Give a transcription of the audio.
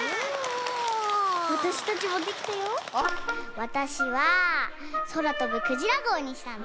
わたしはそらとぶクジラごうにしたんだ。